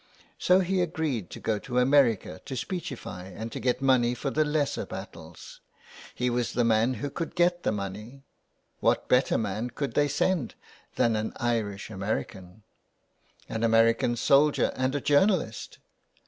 So he agreed to go to America to speechify and to get money for the lesser battles. He was the man who could get the money — what better man could they send than an Irish American ? An American soldier and a journalist